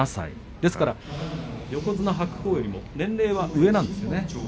ですから横綱白鵬よりも年齢が上なんですよね。